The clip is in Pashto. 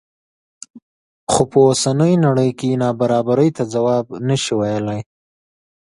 خو په اوسنۍ نړۍ کې نابرابرۍ ته ځواب نه شي ویلی.